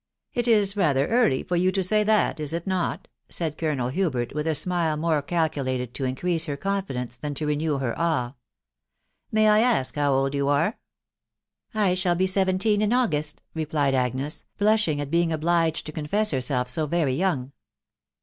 "It is rather early for you to say that, is it not?" said Colonel Hubert with a smile more calculated to increase her confidence than to renew her awe. ... st May I ask how old you are ?"" I shall be seventeen in August," replied Agnes, blushing at being obliged to confess herself so very young.